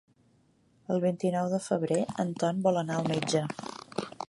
El vint-i-nou de febrer en Ton vol anar al metge.